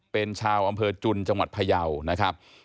เป็นชาวอำเภอจุนจังหวัดพยาวนะครับ